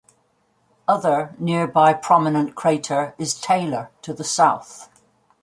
Other nearby prominent crater is Taylor to the south.